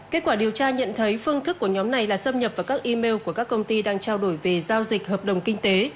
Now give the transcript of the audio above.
kết quả điều tra nhận thấy phương thức của nhóm này là xâm nhập vào các email của các công ty đang trao đổi về giao dịch hợp đồng kinh tế